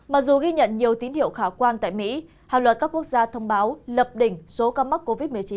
mặc dù ghi nhận nhiều tín hiệu khả quan tại mỹ hàng loạt các quốc gia thông báo lập đỉnh số ca mắc covid một mươi chín